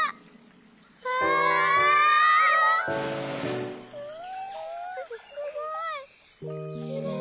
うわすごい！